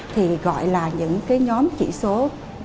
thì gọi là những nhóm chỉ số thyroid